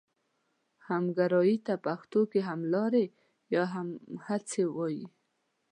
همګرایي ته پښتو کې هملاري یا همهڅي وايي.